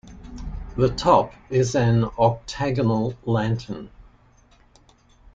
The top is an octagonal lantern.